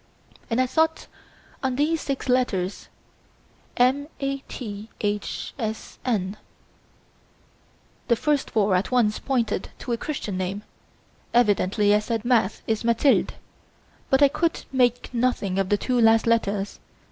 And I thought on these six letters: M. A. T. H. S. N. The first four at once pointed to a Christian name; evidently I said Math is Mathilde. But I could make nothing of the two last letters.